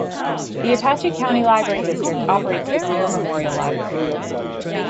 The Apache County Library District operates the Greer Memorial Library.